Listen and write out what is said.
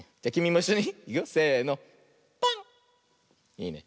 いいね。